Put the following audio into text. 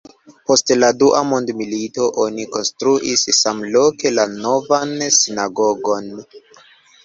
Post la Dua mondmilito oni konstruis samloke la Novan sinagogon.